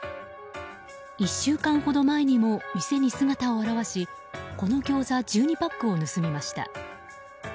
１週間ほど前にも店に姿を現しこのギョーザ１２パックを盗みました。